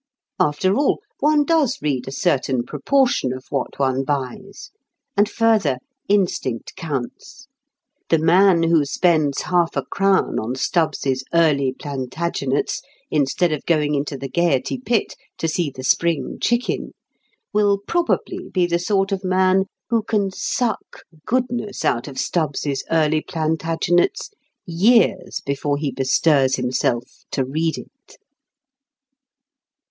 After all, one does read a certain proportion of what one buys. And further, instinct counts. The man who spends half a crown on Stubbs's "Early Plantagenets" instead of going into the Gaiety pit to see "The Spring Chicken," will probably be the sort of man who can suck goodness out of Stubbs's "Early Plantagenets" years before he bestirs himself to read it.